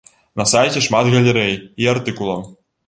На сайце шмат галерэй і артыкулаў.